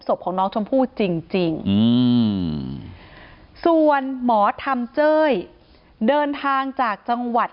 ศพของน้องชมพู่จริงส่วนหมอธรรมเจ้ยเดินทางจากจังหวัด